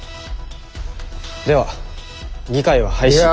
では議会は廃止。